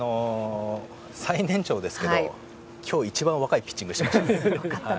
最年長ですけど今日一番若いピッチングでした。